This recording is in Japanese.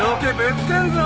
ぶつけんぞ！